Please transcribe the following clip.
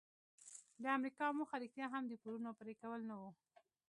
د امریکا موخه رښتیا هم د پورونو پریکول نه وو.